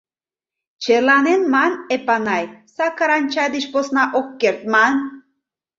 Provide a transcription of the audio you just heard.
Черланен, ман, Эпанай, сакыран чай деч посна ок керт, ман...